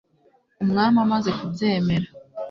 umwami amaze kubyemera